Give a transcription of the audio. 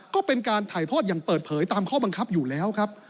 ก็เป็นการถ่ายทอดอย่างเปิดเผยตามข้อบังคับอยู่แล้วครับ